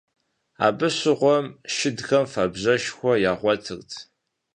Абы щыгъуэм шыдхэм фэбжьышхуэ ягъуэтырт.